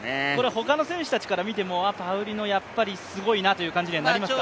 他の選手たちから見ても、パウリノやっぱりすごいなという感じになりますか。